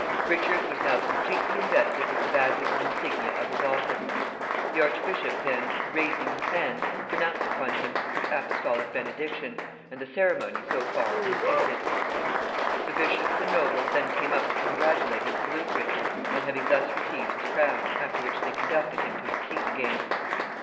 Richard was now completely invested with the badges and insignia of his office. The archbishop then, raising his hands, pronounced upon him his apostolic benediction, and the ceremony, so far, was ended. The bishops and nobles then came up to congratulate and salute Richard on having thus received his crown, after which they conducted him to his seat again.